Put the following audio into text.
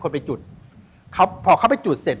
พอเข้าไปจุดเสร็จ